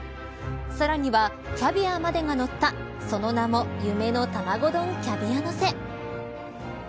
さらには、キャビアまでがのったその名も夢の卵丼キャビア乗せ。